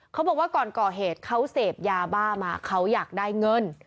เขาบอกว่าก่อนก่อเหตุเขาเสพยาบ้ามาเขาอยากได้เงิน